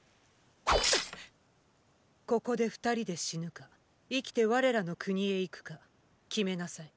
ここで二人で死ぬか生きて我らの国へ行くか決めなさい。